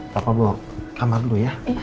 bapak bawa kamar dulu ya